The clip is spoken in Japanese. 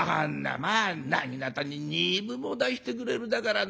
まあなぎなたに２分も出してくれるだからな。